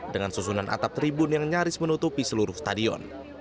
dengan susunan atap tribun yang nyaris menutupi seluruh stadion